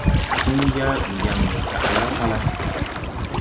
Tin yaa ɓi yaŋ mo taʼ la pala.